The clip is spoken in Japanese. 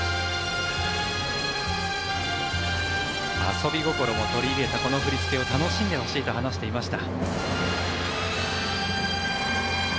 遊び心も取り入れたこの振り付けを楽しんでほしいと話していました。